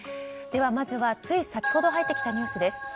ではまず、つい先ほど入ってきたニュースです。